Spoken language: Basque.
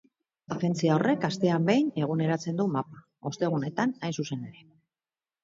Agentzia horrek astean behin eguneratzen du mapa, ostegunetan, hain zuzen ere.